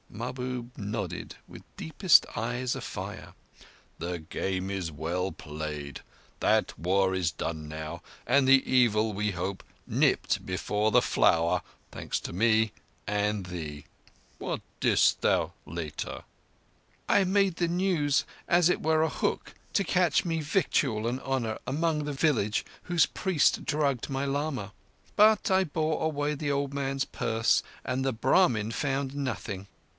Mahbub nodded with deepest eyes afire. "The game is well played. That war is done now, and the evil, we hope, nipped before the flower—thanks to me—and thee. What didst thou later?" "I made the news as it were a hook to catch me victual and honour among the villagers in a village whose priest drugged my lama. But I bore away the old man's purse, and the Brahmin found nothing.